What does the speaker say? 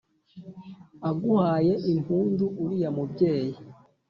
aguhaye impundu uriya mubyeyi